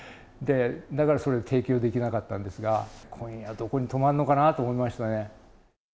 だからそれは提供できなかったんですが、今夜どこに泊まんのかなと思いましたね。